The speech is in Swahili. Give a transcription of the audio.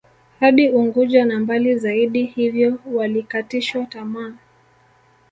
Hadi Unguja na mbali zaidi hiyvo walikatishwa tamaa